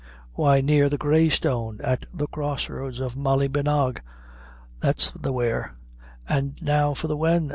"Why, near the Grey Stone at the crossroads of Mallybenagh that's the where!" "An' now for the when?"